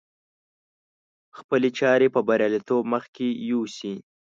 خپلې چارې په برياليتوب مخکې يوسي.